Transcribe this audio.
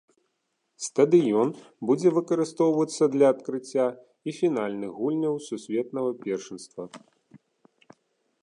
Стадыён будзе выкарыстоўвацца для адкрыцця і фінальных гульняў сусветнага першынства.